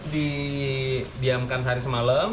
didiamkan sehari semalam